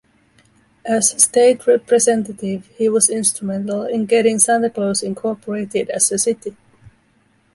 As State Representative he was instrumental in getting Santa Claus incorporated as a city.